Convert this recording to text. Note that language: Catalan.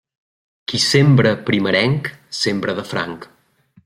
Qui sembra primerenc, sembra de franc.